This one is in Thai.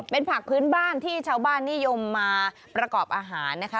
เป็นผักพื้นบ้านที่ชาวบ้านนิยมมาประกอบอาหารนะคะ